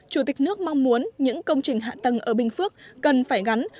chủ tịch nước mong muốn những công trình hạ tầng ở bình phước cần phải gắn